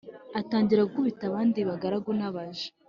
atangira gukubita abandi bagaragu n’abaja